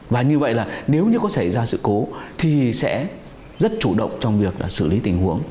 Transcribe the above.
và như vậy là nếu như có xảy ra sự cố thì sẽ rất chủ động trong việc xử lý tình huống